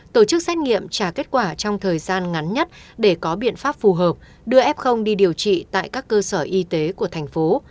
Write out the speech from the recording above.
tổ chức xét nghiệm trả kết quả trong thời gian ngắn nhất để có biện pháp phù hợp đưa f đi điều trị tại các cơ sở y tế của thành phố